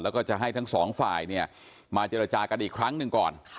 แล้วก็จะให้ทั้งสองฝ่ายเนี่ยมาเจรจากันอีกครั้งหนึ่งก่อน